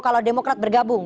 kalau demokrat bergabung